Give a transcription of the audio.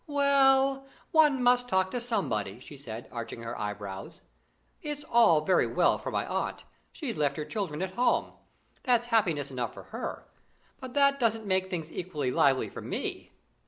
"Well, one must talk to somebody," she said, arching her eyebrows. "It's all very well for my aunt. She's left her children at home. That's happiness enough for her. But that don't make things equally lively for me."